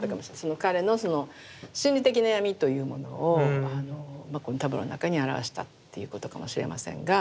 彼のその心理的な闇というものをこのタブローの中に表したっていうことかもしれませんが。